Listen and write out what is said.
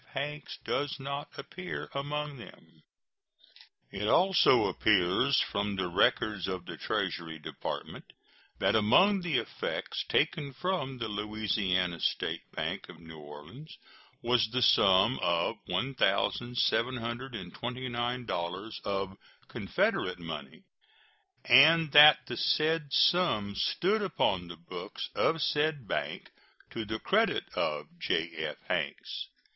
Hanks does not appear among them. It also appears from the records of the Treasury Department that among the effects taken from the Louisiana State Bank of New Orleans was the sum of $1,729 of Confederate money, and that the said sum stood upon the books of said bank to the credit of J.F. Hanks.